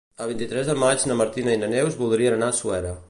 El vint-i-tres de maig na Martina i na Neus voldrien anar a Suera.